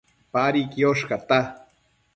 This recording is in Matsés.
Padi quiosh cata